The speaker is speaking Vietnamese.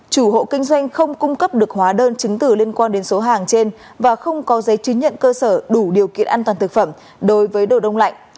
chủ hộ kinh doanh không cung cấp được hóa đơn chứng từ liên quan đến số hàng trên và không có giấy chứng nhận cơ sở đủ điều kiện an toàn thực phẩm đối với đồ đông lạnh